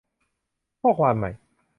ข้อความใหม่